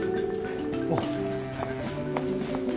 おう。